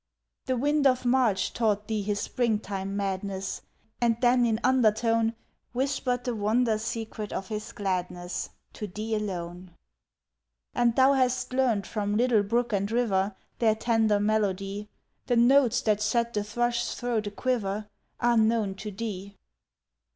The wind of March taught thee his springtime madness, And then in undertone Whispered the wonder secret of his gladness To thee alone. And thou hast learned from little brook and river Their tender melody The notes that set the thrush's throat a quiver Are known to thee.